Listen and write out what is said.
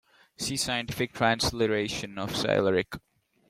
See Scientific transliteration of Cyrillic.